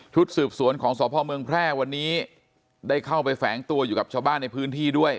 สืบสวนของสพเมืองแพร่วันนี้ได้เข้าไปแฝงตัวอยู่กับชาวบ้านในพื้นที่ด้วย